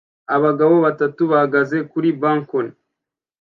Abagabo batatu bahagaze kuri bkoni